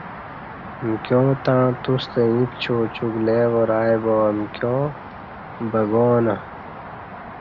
امکیاں تݩع توستہ ییں پچوع چوک لےوار ائ باامکیاں بگانہ